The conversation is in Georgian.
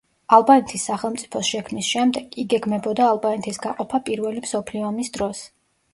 ალბანეთის სახელმწიფოს შექმნის შემდეგ, იგეგმებოდა ალბანეთის გაყოფა პირველი მსოფლიო ომის დროს.